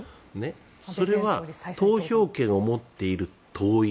それは投票権を持っている党員。